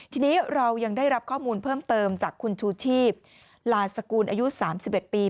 ทีนี้เรายังได้รับข้อมูลเพิ่มเติมจากคุณชูชีพลานสกุลอายุ๓๑ปี